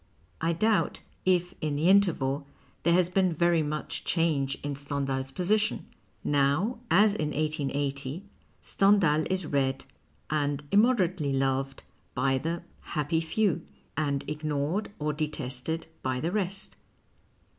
I doubt if in the interval there has been very much change in Stendhal's position. Now, as in 1880, Stendhal is read, and immoderately loved, by the " happy few," and ignored or detested by the rest.